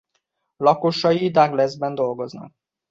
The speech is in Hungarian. Lakosai Douglasban dolgoznak.